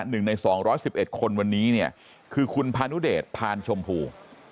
หนึ่งใน๒๑๑คนวันนี้เนี่ยคือคุณพานุเดชพานชมพู